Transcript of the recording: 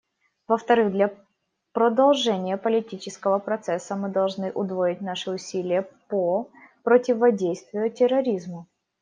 Во-вторых, для продолжения политического процесса мы должны удвоить наши усилия по противодействию терроризму.